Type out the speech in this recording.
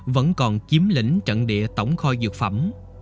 vẫn còn chiếm lĩnh trận địa tổng kho dược phẩm